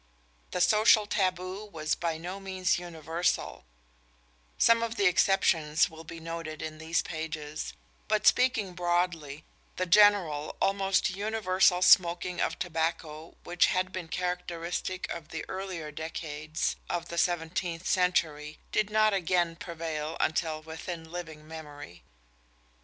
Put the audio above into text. The social taboo was by no means universal some of the exceptions will be noted in these pages but speaking broadly, the general, almost universal smoking of tobacco which had been characteristic of the earlier decades of the seventeenth century did not again prevail until within living memory.